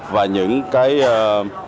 và những vệ hợp